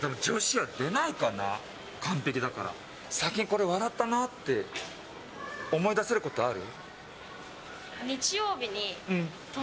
最近これ笑ったなって思い出せることある？